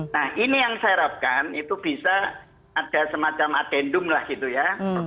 nah ini yang saya harapkan itu bisa ada semacam adendum lah gitu ya